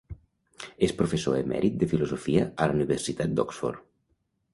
És professor emèrit de filosofia a la Universitat d'Oxford.